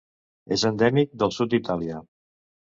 És endèmic del sud d'Itàlia.